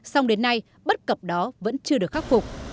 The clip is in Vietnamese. song đến nay bất cập đó vẫn chưa được khắc phục